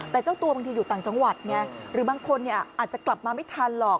แต่เจ้าตัวบางทีอยู่ต่างจังหวัดไงหรือบางคนอาจจะกลับมาไม่ทันหรอก